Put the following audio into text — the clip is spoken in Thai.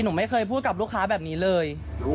หนูไม่เคยพูดกับลูกค้าแบบนี้เลย